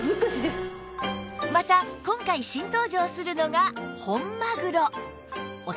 また今回新登場するのが本マグロ